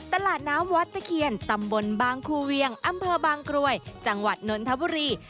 ตลาดน้ำวัดตะเคียนตำบลบางคูเวียงอำเภอบางกรวยจังหวัดนนทบุรี